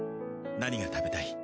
何が食べたい？